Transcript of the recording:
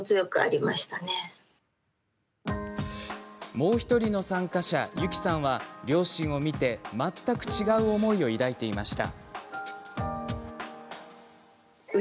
もう１人の参加者、ゆきさんは両親を見て全く違う思いを抱いていました。